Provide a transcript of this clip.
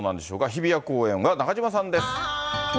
日比谷公園は中島さんです。